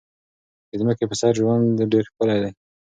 د ځمکې په سر ژوند ډېر ښکلی دی.